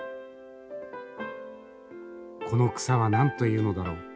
この草は何というのだろう？